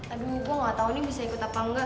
aduh gue gak tau ini bisa ikut apa enggak